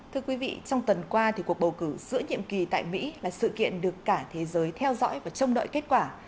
thưa quý vị trong tuần qua thì cuộc bầu cử giữa nhiệm kỳ tại mỹ là sự kiện được cả thế giới theo dõi và trông đợi kết quả